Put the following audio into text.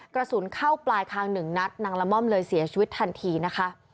กระสุนเข้าปลายคางหนึ่งนัดนางละม่อมเลยเสียชีวิตทันทีนะคะ